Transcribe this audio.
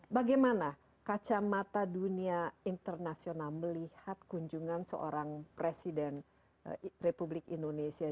bagaimana kacamata dunia internasional melihat kunjungan seorang presiden republik indonesia